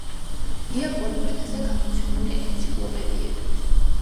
იაპონურ ენაზე გამოცემული ენციკლოპედიები.